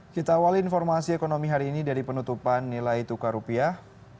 kita awali informasi ekonomi hari ini dari penutupan nilai tukar rupiah